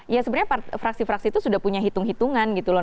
ya sebenarnya fraksi fraksi itu sudah punya hitung hitungan gitu loh